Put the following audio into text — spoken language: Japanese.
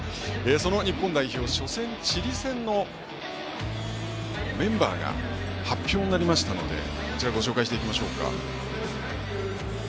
その日本代表、初戦のチリ戦のメンバーが発表になりましたのでご紹介していきましょう。